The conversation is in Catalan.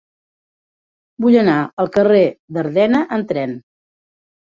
Vull anar al carrer d'Ardena amb tren.